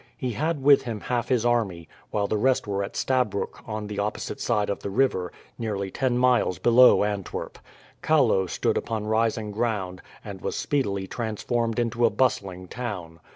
He had with him half his army, while the rest were at Stabroek on the opposite side of the river, nearly ten miles below Antwerp. Kallo stood upon rising ground, and was speedily transformed into a bustling town.